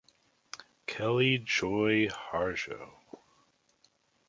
Kelley, Joy Harjo.